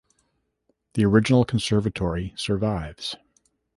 The original conservatory survives.